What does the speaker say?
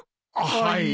はい。